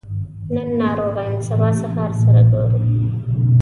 نن ناروغه يم سبا سهار سره ګورو